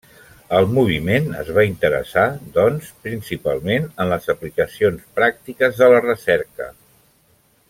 El moviment es va interessar, doncs, principalment en les aplicacions pràctiques de la recerca.